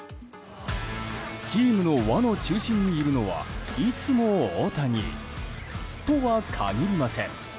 チームの輪の中心にいるのはいつも大谷とは限りません。